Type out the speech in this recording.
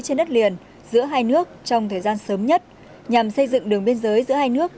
trên đất liền giữa hai nước trong thời gian sớm nhất nhằm xây dựng đường biên giới giữa hai nước